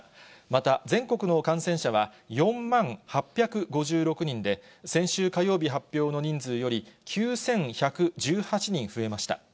また、全国の感染者は４万８５６人で、先週火曜日発表の人数より９１１８人増えました。